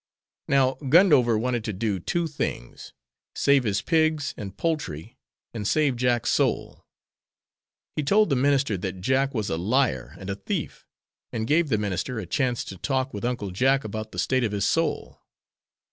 Now Gundover wanted to do two things, save his pigs and poultry, and save Jack's soul. He told the minister that Jack was a liar and a thief, and gave the minister a chance to talk with Uncle Jack about the state of his soul.